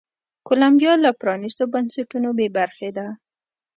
کولمبیا له پرانیستو بنسټونو بې برخې ده.